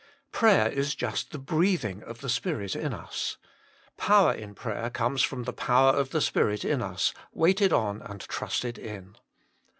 Prayer is jusb the breathing of the Spirit in us; power in prayer comes from the power of the Spirit in us, waited on and trusted in.